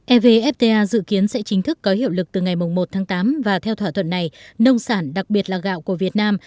evfta dự kiến sẽ chính thức có hiệu lực từ ngày một tháng tám và theo thỏa thuận này nông sản đặc biệt là gạo của việt nam